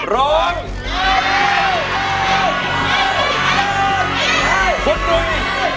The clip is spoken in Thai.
ร้อง